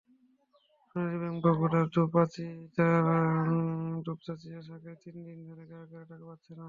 সোনালী bank বগুড়ার দুপচাঁচিয়া শাখায় তিন দিন ধরে গ্রাহকেরা টাকা পাচ্ছেন না।